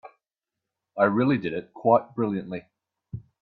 I really did it quite brilliantly.